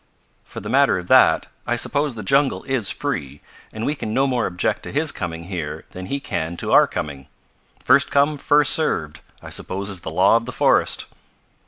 For the matter of that, I suppose the jungle is free and we can no more object to his coming here than he can to our coming. First come, first served, I suppose is the law of the forest."